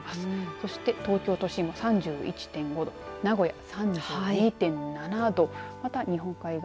そして東京都心３１．５度名古屋３２．７度また日本海側